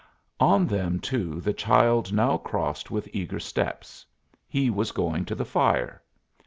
On them, too, the child now crossed with eager steps; he was going to the fire.